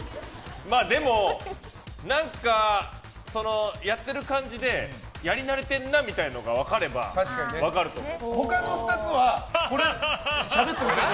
まあでも、何かやってる感じでやり慣れてんなというのが分かれば分かると思う。